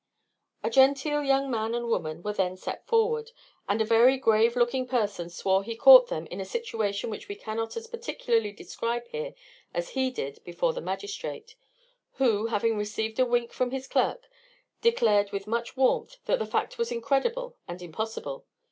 A genteel young man and woman were then set forward, and a very grave looking person swore he caught them in a situation which we cannot as particularly describe here as he did before the magistrate; who, having received a wink from his clerk, declared with much warmth that the fact was incredible and impossible.